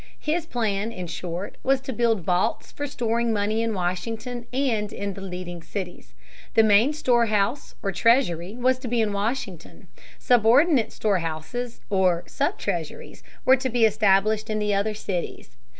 His plan, in short, was to build vaults for storing money in Washington and in the leading cities. The main storehouse or Treasury was to be in Washington, subordinate storehouses or sub treasuries were to be established in the other cities.